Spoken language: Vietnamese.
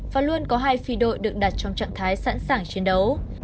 và luôn có hai phi đội được đặt trong trạng thái sẵn sàng chiến đấu